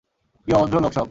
কি অভদ্র লোক সব।